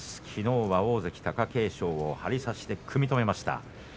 きのうは大関貴景勝を張り差しで、組み止めました。